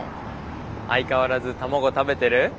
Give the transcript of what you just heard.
相変わらず卵食べてる？